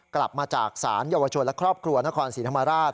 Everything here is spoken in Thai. กลับมาจากศาลเยาวชนและครอบครัวนครศรีธรรมราช